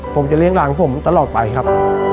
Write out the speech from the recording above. ผมจะเลี้ยหลานผมตลอดไปครับ